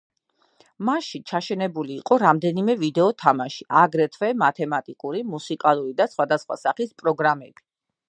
მასში ჩაშენებული იყო რამდენიმე ვიდეო თამაში, აგრეთვე მათემატიკური, მუსიკალური და სხვადასხვა სახის პროგრამები.